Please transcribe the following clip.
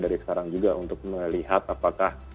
dari sekarang juga untuk melihat apakah